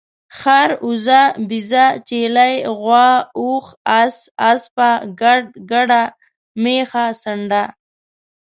خر، اوزه، بيزه ، چيلۍ ، غوا، اوښ، اس، اسپه، ګډ، ګډه، ميښه، سانډه